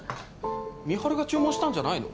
美晴が注文したんじゃないの？